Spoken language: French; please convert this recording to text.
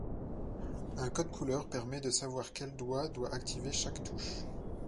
Un code couleur permet de savoir quel doigt doit activer chaque touche.